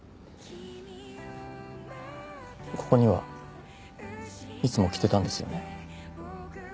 ここにはいつも来てたんですよね？